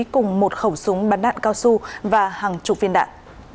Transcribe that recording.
cùng một khẩu súng bắn đạn cao su và hàng chục viên đạn